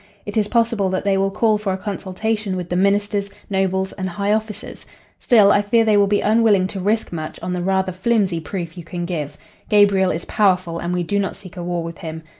It is possible that they will call for a consultation with the ministers, nobles and high officers. Still, I fear they will be unwilling to risk much on the rather flimsy proof you can give. Gabriel is powerful and we do not seek a war with him.